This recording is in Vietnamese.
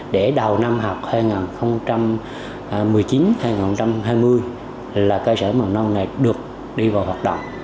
để đầu năm học hai nghìn một mươi chín hai nghìn hai mươi là cơ sở mầm non này được đi vào hoạt động